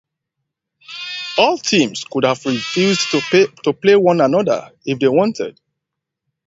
All teams could have refused to play one another if they wanted.